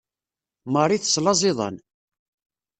Marie teslaẓ iḍan.